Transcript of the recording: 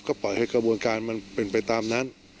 ก็ปล่อยให้กระบวนการมันเป็นไปตามนั้น